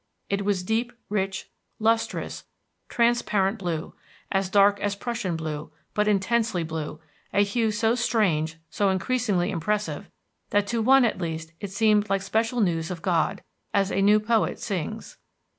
It was deep, rich, lustrous, transparent blue, as dark as Prussian blue, but intensely blue; a hue so strange, so increasingly impressive, that to one at least it 'seemed like special news of God,' as a new poet sings.